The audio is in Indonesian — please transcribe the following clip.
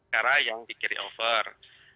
cara yang dikiri over